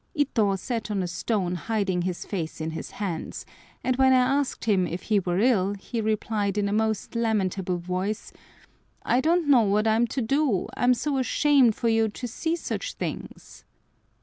Ito sat on a stone hiding his face in his hands, and when I asked him if he were ill, he replied in a most lamentable voice, "I don't know what I am to do, I'm so ashamed for you to see such things!"